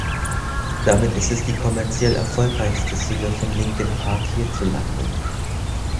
Damit ist es die kommerziell erfolgreichste Single von Linkin Park hierzulande.